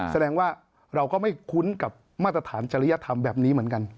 แสดงว่าเราก็ไม่คุ้นกับมาตรฐานจริยธรรมแบบนี้เหมือนกัน